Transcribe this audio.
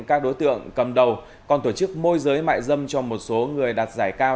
các đối tượng cầm đầu còn tổ chức môi giới mại dâm cho một số người đạt giải cao